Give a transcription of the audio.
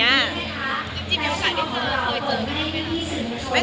ถ้าเกิดการเกลืน